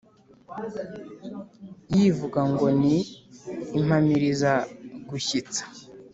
Yivuga ngo ni Impamiriza-gushyitsa !